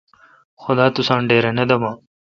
خدا تساں ڈیراے° نہ دمہ۔